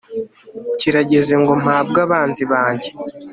kirageze ngo mpabwe abanzi banjye